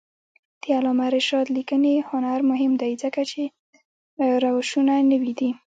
د علامه رشاد لیکنی هنر مهم دی ځکه چې روشونه نوي دي.